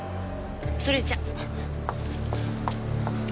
それじゃ。